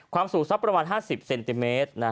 สูงสักประมาณ๕๐เซนติเมตร